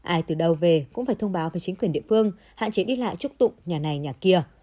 ai từ đầu về cũng phải thông báo với chính quyền địa phương hạn chế đi lại trúc tụng nhà này nhà kia